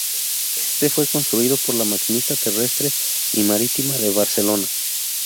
Este fue construido por La Maquinista Terrestre y Marítima de Barcelona.